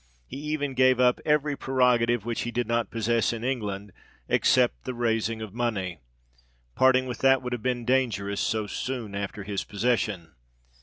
He even gave up every prerogative 104 THE REIGN OF GEORGE VI. which he did not possess in England, except the raising of money : parting with that would have been danger ous, so soon after his possession.